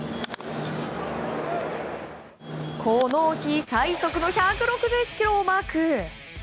この日最速の１６１キロをマーク。